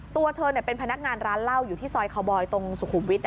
ตัวเธอเป็นพนักงานร้านเหล้าอยู่ที่ซอยคาวบอยตรงสุขุมวิทย์